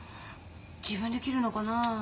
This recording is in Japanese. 自分で切るのかなあ。